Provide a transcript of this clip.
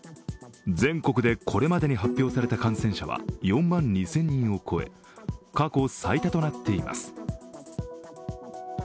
全国でこれまでに発表された感染者は４万２０００人を超え過去最多となっています。